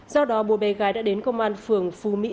do đó bố bé gái đã đến công an phường phú mỹ